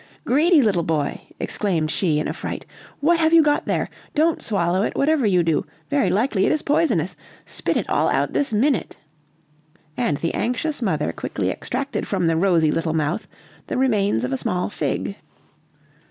"Greedy little boy!" exclaimed she in a fright. "What have you got there? Don't swallow it, whatever you do. Very likely it is poisonous! Spit it all out this minute!" And the anxious mother quickly extracted from the rosy little mouth the remains of a small fig.